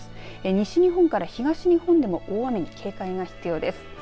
西日本から東日本でも大雨に警戒が必要です。